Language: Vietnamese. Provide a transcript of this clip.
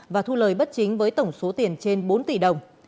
và thu lời bất chính với tổng số tiền trên bốn tỷ đồng